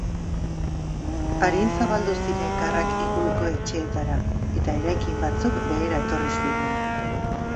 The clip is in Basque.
Arin zabaldu ziren garrak inguruko etxeetara, eta eraikin batzuk behera etorri ziren.